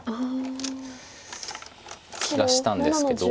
気がしたんですけど。